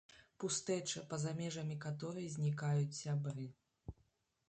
Пустэча, паза межамі каторай знікаюць сябры.